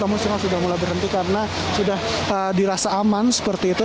namun semua sudah mulai berhenti karena sudah dirasa aman seperti itu